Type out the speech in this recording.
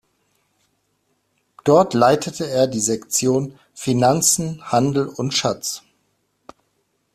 Dort leitete er die Sektion Finanzen, Handel und Schatz.